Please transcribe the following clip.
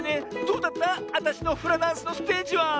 どうだったあたしのフラダンスのステージは？